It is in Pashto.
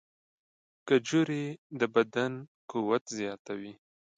کجورې د بدن قوت زیاتوي.